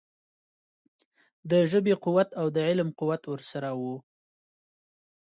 د ژبې قوت او د علم قوت ورسره وو.